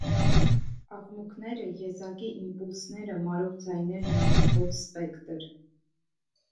Աղմուկները, եզակի իմպուլսները, մարող ձայներն ունեն հոծ սպեկտր։